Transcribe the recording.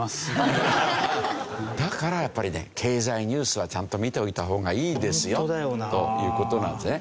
だからやっぱりね経済ニュースはちゃんと見ておいた方がいいですよという事なんですね。